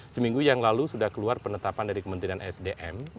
seminggu yang lalu sudah keluar penetapan dari kementerian sdm